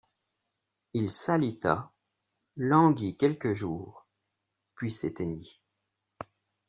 Il s’alita, languit quelques jours, puis s’éteignit.